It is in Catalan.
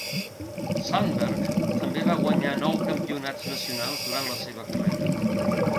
Sandberg també va guanyar nou campionats nacionals durant la seva carrera.